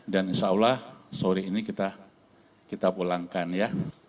dan insyaallah sore ini kita pulangkan ya